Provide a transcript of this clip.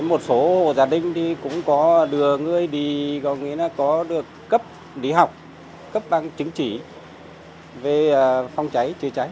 một số gia đình cũng có được cấp đi học cấp bằng chính trị về phòng cháy chữa cháy